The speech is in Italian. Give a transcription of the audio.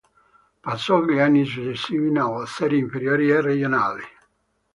Passò gli anni successivi nelle serie inferiori e regionali.